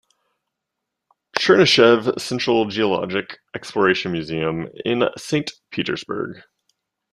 Chernyshev Central Geologic Exploration Museum in Saint Petersberg.